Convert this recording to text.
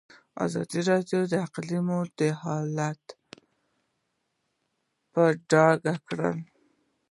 ازادي راډیو د اقلیم حالت په ډاګه کړی.